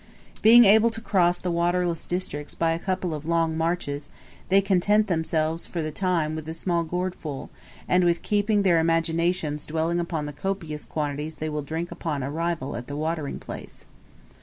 Being able to cross the waterless districts by a couple of long marches, they content themselves for the time with a small gourdful, and with keeping their imaginations dwelling upon the copious quantities they will drink upon arrival at the watering place.